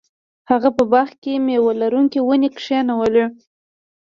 هغه په باغ کې میوه لرونکې ونې کینولې.